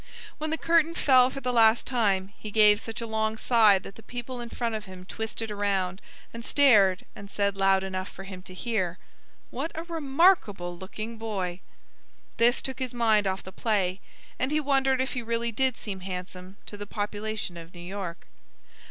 When the curtain fell for the last time he gave such a long sigh that the people in front of him twisted around and stared and said loud enough for him to hear: "What a remarkable looking boy!" This took his mind off the play, and he wondered if he really did seem handsome to the population of New York.